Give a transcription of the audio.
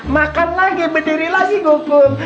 makan lagi berdiri lagi gue hukum